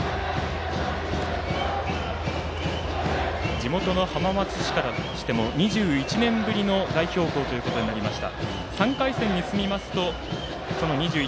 地元の浜松市からしても２１年ぶりの代表校ということになりました。